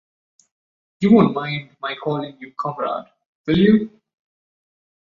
You won't mind my calling you Comrade, will you?